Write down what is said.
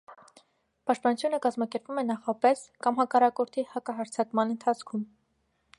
Պաշտպանությունը կազմակերպվում է նախապես կամ հակառակորդի հակահարձակման ընթացքում։